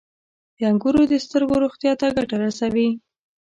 • انګور د سترګو روغتیا ته ګټه رسوي.